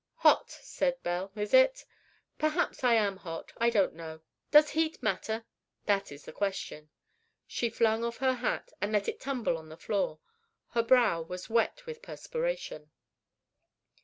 "Hot," said Belle, "is it? Perhaps I am hot; I don't know. Does heat matter? that is the question." She flung off her hat, and let it tumble on the floor. Her brow was wet with perspiration.